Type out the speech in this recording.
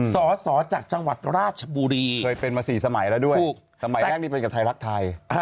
สอสอจากจังหวัดราชบุรีเคยเป็นมา๔สมัยแล้วด้วยสมัยแรกนี่เป็นกับไทยรักไทย